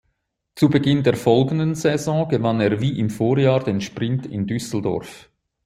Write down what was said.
Zu Beginn der folgenden Saison gewann er wie im Vorjahr den Sprint in Düsseldorf.